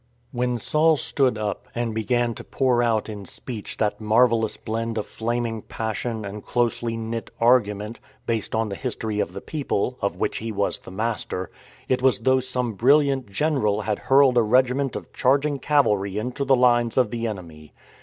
^ When Saul stood up and began to pour out in speech that marvellous blend of flaming passion and closely knit argument based on the history of the people (of which he was the master), it was as though some brilliant general had hurled a regiment of charg ing cavalry into the lines of the enemy.